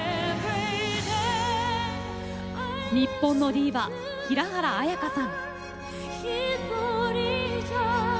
日本のディーバ、平原綾香さん。